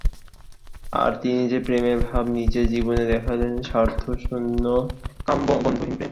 আর তিনি যে-প্রেমের ভাব নিজের জীবনে দেখালেন, তা স্বার্থশূন্য কামগন্ধহীন প্রেম।